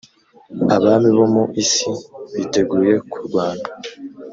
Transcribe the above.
abami bo mu isi biteguye kurwana